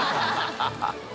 ハハハ